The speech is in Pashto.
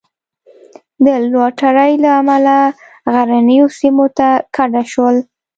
د لوټرۍ له امله غرنیو سیمو ته کډه شول.